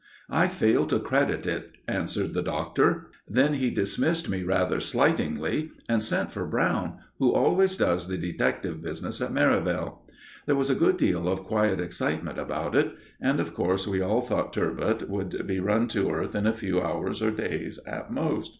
"I fail to credit it," answered the Doctor. Then he dismissed me, rather slightingly, and sent for Brown, who always does the detective business at Merivale. There was a good deal of quiet excitement about it, and, of course, we all thought "Turbot" would be run to earth in a few hours, or days, at most.